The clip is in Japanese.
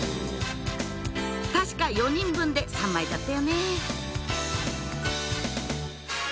確か４人分で３枚だったよね